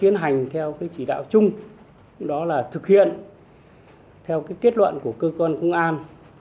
tiến hành theo cái chỉ đạo chung đó là thực hiện theo kết luận của cơ quan công an